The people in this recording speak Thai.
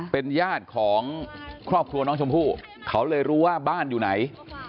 เป็นญาติของครอบครัวน้องชมพู่เขาเลยรู้ว่าบ้านอยู่ไหน